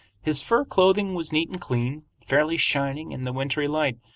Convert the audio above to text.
His fur clothing was neat and clean, fairly shining in the wintry light.